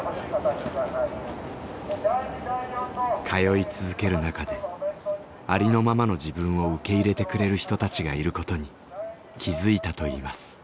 通い続ける中でありのままの自分を受け入れてくれる人たちがいることに気付いたといいます。